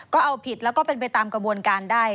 ก็เอาผิดแล้วก็เป็นไปตามกระบวนการได้